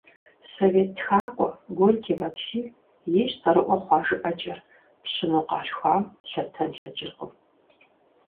Совет тхакӀуэ Горький Максим ейщ цӀэрыӀуэ хъуа жыӀэкӀэр: «Пщыну къалъхуам лъэтэн лъэкӀыркъым».